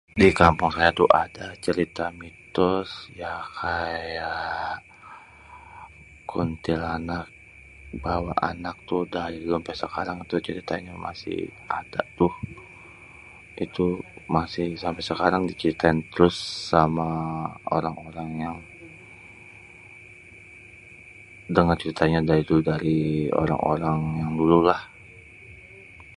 Di kampung saya tuh ada cerita mitos, [ya] kaya, kuntilanak bawa anak tuh dari dulu sampe sekarang itu masih ada tuh, itu ampe sekrang masih diceritain terus, sama orang-orang yang, denger ceritanya tuh dari orang-orang dulu lah.